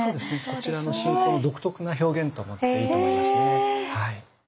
こちらの信仰の独特な表現と思っていいと思いますね。